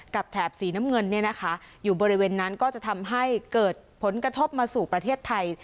แถบสีน้ำเงินเนี่ยนะคะอยู่บริเวณนั้นก็จะทำให้เกิดผลกระทบมาสู่ประเทศไทย